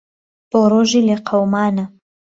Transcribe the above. بۆ ڕۆژی لێ قهومانه